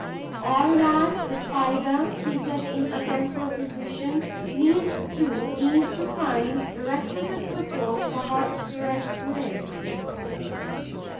All that the Spider, seated in a central position, need do is to find the requisite support for her spread legs.